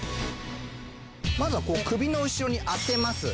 まずはこう首の後ろに当てます。